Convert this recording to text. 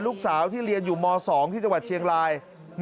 ลูกสาวที่เรียนอยู่ม๒ที่จังหวัดเชียงราย